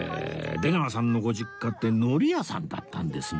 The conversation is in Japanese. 出川さんのご実家って海苔屋さんだったんですね